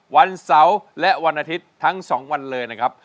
วันเสาร์และวันอาทิตย์ทั้ง๒วันเลยนะครับ